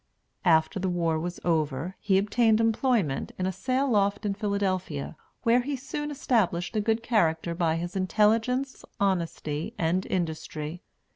After the war was over, he obtained employment in a sail loft in Philadelphia, where he soon established a good character by his intelligence, honesty, and industry.